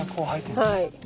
はい。